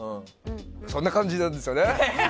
そんな感じなんですよね。